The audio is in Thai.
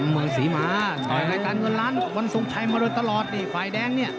เมืองศรีมะในการงดล้านบรรทรงชัยมาเลยตลอดฝ่ายแดงเนี่ย